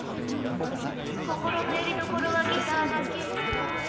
心のよりどころはギターだけ！